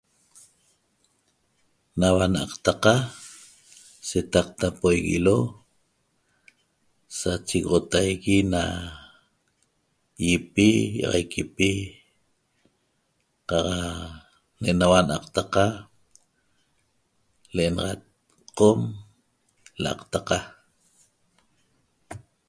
Naua n'aqtaqa setaqtapoiguilo sachegoxotaigui na ýipi ýi'axaiquipi qaq ne'enaua n'aqtaqa l'enaxat Qom L'aqtaqa